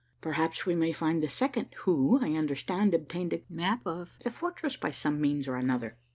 Perhaps we may find the second, who, I understand, obtained a map of the fortress by some means or another."